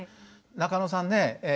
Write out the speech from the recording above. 中野さんね